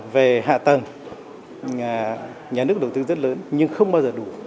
về hạ tầng nhà nước đầu tư rất lớn nhưng không bao giờ đủ